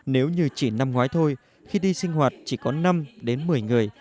nếu như chỉ năm ngoái thôi khi đi sinh hoạt chỉ có năm đến một mươi người